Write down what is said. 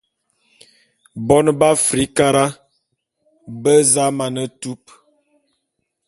Bone be Afrikara be za mane tup.